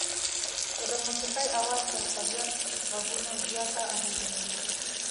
که د موسيقۍ اواز تر طبيعت غږونو زیاته اغېزه لري.